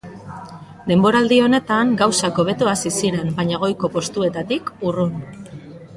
Denboraldi honetan gauzak hobeto hasi ziren, baina goiko postuetatik urrun.